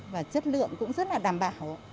và chất lượng cũng rất là đảm bảo